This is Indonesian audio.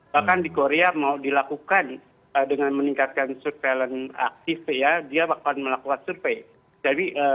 bahkan di korea mau dilakukan dengan meningkatkan surveillance aktif ya dia akan melakukan survei